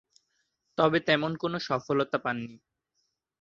তবে তেমন কোন সফলতা পাননি।